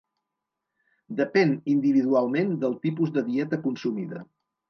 Depèn individualment del tipus de dieta consumida.